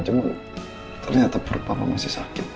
cuma ternyata pura pura bapak masih sakit